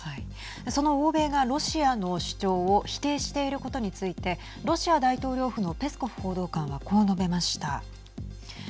その欧米がロシアの主張を否定していることについてロシア大統領府のペスコフ報道官はこう述べました。